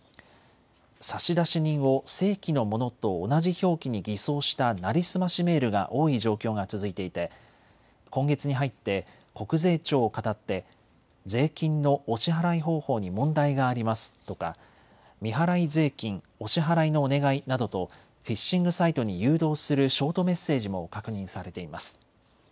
差出人を正規のものと同じ表記に偽装した成り済ましメールが多い状況が続いていて今月に入って国税庁をかたって税金のお支払い方法に問題がありますとか未払い税金お支払いのお願いなどとフィッシングサイトに誘導するショートメッセージも確認されています。